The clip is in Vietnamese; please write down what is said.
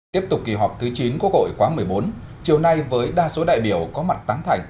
tiếp tục kỳ họp thứ chín quốc hội khóa một mươi bốn chiều nay với đa số đại biểu có mặt tăng thành